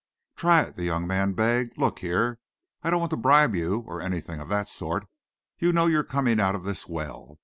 "Try it," the young man begged. "Look here, I don't want to bribe you, or anything of that sort. You know you're coming out of this well.